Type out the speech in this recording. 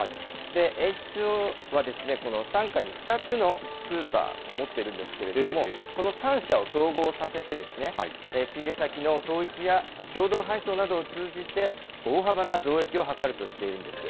エイチ・ツー・オーはこの傘下に２つのスーパーを持っているんですけれども、この３社を統合させて、仕入れ先の統一や共同配送などを通じて大幅な増益を図るとしているんです。